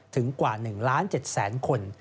ถึงกว่า๑๗๐๐๐๐๐คน